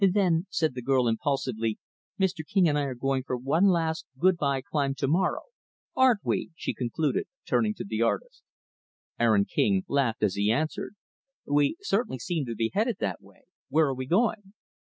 "Then," said the girl, impulsively, "Mr. King and I are going for one last good by climb to morrow. Aren't we?" she concluded turning to the artist. Aaron King laughed as he answered, "We certainly seem to be headed that way. Where are we going?"